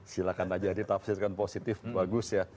silahkan aja ditafsirkan positif bagus ya